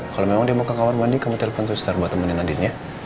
kalau memang dia mau ke kamar mandi kamu telpon susah buat temenin andin ya